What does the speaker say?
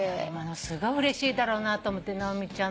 今のすごいうれしいだろうなと思って。